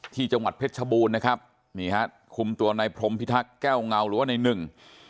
ที่จังหวัดเพชรชบูรณ์นะครับนี่ฮะคุมตัวในพรมพิทักษ์แก้วเงาหรือว่าในหนึ่ง